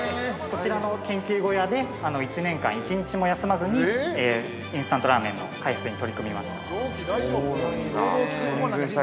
◆そちらの研究小屋で１年間１日も休まずにインスタントラーメンの開発に取り組みました。